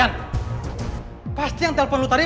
aku pasti ngamuk ngamuk sama dia